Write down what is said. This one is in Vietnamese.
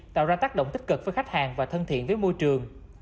tạo ra tác động tích cực với khách hàng và thân thiện với môi trường